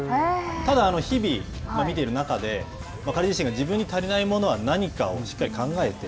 ただ、日々見ている中で、彼自身が自分に足りないものが何かをしっかり考えて。